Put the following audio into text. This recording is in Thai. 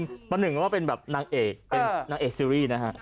ประหนึ่งว่าเป็นแบบนางเอกเป็นนางเอกซีรีส์นะฮะ